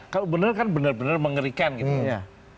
kalau bener kan bener bener mengerikan gitu